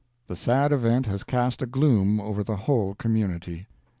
The sad event has cast a gloom over the whole community.